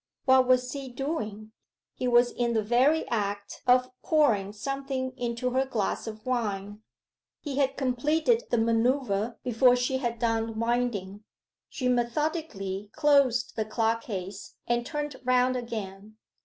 What was he doing? He was in the very act of pouring something into her glass of wine. He had completed the manoeuvre before she had done winding. She methodically closed the clock case and turned round again.